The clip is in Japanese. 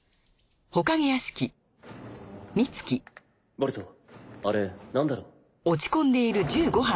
ボルトあれ何だろう？